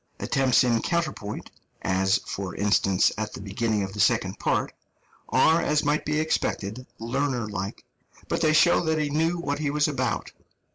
Attempts in counterpoint as, for instance, at the beginning of the second part are, as might be expected, learner like, but they show that he knew what he was about.